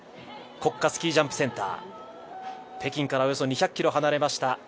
国家スキージャンプセンター、北京からおよそ２００ｋｍ離れました